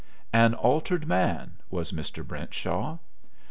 An altered man was Mr. Brentshaw.